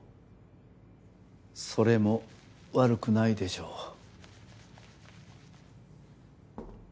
それも悪くないでしょう。